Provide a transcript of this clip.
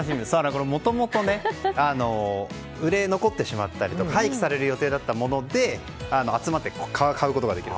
これ、もともと売れ残ってしまったり廃棄される予定だったものが集まっていて、買うことができる。